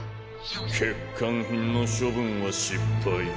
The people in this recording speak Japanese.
欠陥品の処分は失敗。